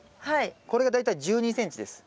これが大体１２ｃｍです。